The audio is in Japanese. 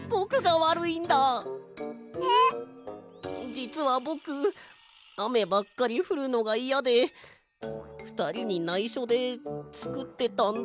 じつはぼくあめばっかりふるのがいやでふたりにないしょでつくってたんだ。